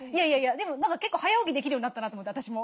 でも結構早起きできるようになったなと思って私も。